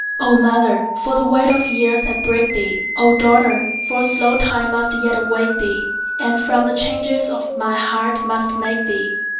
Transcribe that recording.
O mother, for the weight of years that break thee! O daughter, for slow time must yet awake thee, And from the changes of my heart must make thee!